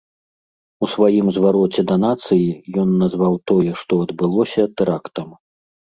У сваім звароце да нацыі ён назваў тое, што адбылося тэрактам.